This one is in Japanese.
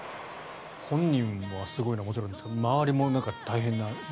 本人がすごいのはもちろんですけど周りも大変な。